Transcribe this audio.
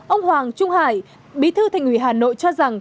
ông hoàng trung hải bí thư thành ủy hà nội cho rằng